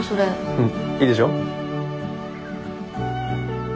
うんいいでしょ？